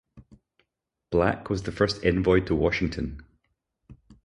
Blak was the first envoy to Washington.